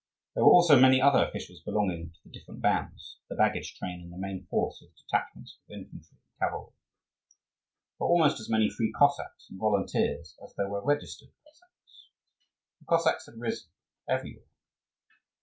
There were also many other officials belonging to the different bands, the baggage train and the main force with detachments of infantry and cavalry. There were almost as many free Cossacks and volunteers as there were registered Cossacks. The Cossacks had risen everywhere.